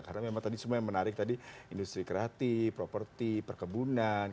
karena memang tadi semua yang menarik tadi industri kreatif properti perkebunan